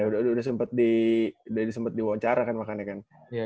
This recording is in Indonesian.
udah sempat diwawancara kan makannya kan